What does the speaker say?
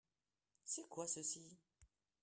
C'est quoi ceux-ci ?